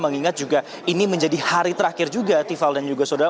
mengingat juga ini menjadi hari terakhir juga tiffal dan juga saudara